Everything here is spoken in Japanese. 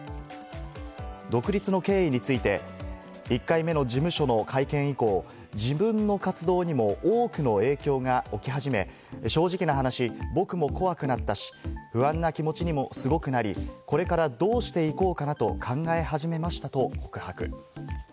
独立の経緯について、１回目の事務所の会見以降、自分の活動にも多くの影響が起き始め、正直な話、僕も怖くなったし、不安な気持ちにもすごくなり、これからどうしていこうかなと考え始めましたと告白。